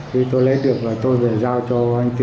khi tôi lấy được rồi tôi về giao cho